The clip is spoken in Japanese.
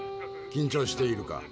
緊張しているか？